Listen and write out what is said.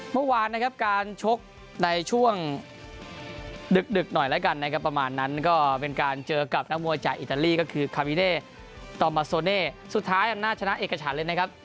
เมื่อวานนะครับการชกในช่วงดึกหน่อยแล้วกันนะครับประมาณนั้นก็เป็นการเจอกับนักมวยจากอิตาลีก็คือคาบิเดตอมมาโซเน่สุดท้ายอำนาจชนะเอกฉันเลยนะครับ